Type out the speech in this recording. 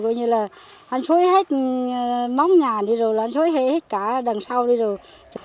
coi như là hắn xói hết móng nhà đi rồi hắn xói hết cả đằng sau đi rồi